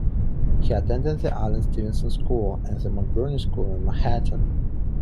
He attended The Allen Stevenson School and the McBurney School in Manhattan.